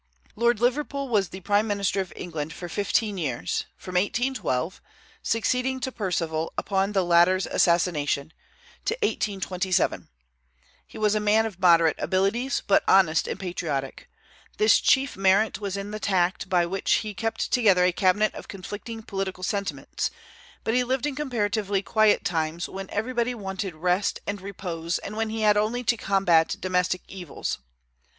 Lord Liverpool was the prime minister of England for fifteen years, from 1812 (succeeding to Perceval upon the latter's assassination) to 1827. He was a man of moderate abilities, but honest and patriotic; this chief merit was in the tact by which he kept together a cabinet of conflicting political sentiments; but he lived in comparatively quiet times, when everybody wanted rest and repose, and when he had only to combat domestic evils.